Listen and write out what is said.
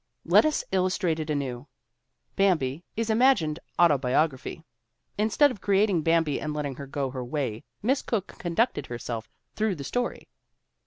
Let us illustrate it anew. Bambi is imagined autobiog raphy. Instead of creating Bambi and letting her go her way Miss Cooke conducted herself through the story.